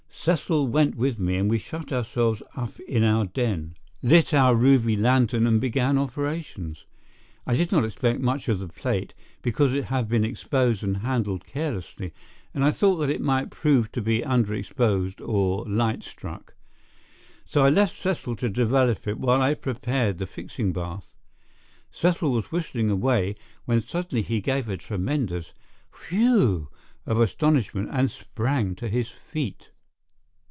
Cecil went with me, and we shut ourselves up in our den, lit our ruby lantern and began operations. I did not expect much of the plate, because it had been exposed and handled carelessly, and I thought that it might prove to be underexposed or light struck. So I left Cecil to develop it while I prepared the fixing bath. Cecil was whistling away when suddenly he gave a tremendous "whew" of astonishment and sprang to his feet.